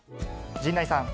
陣内さん。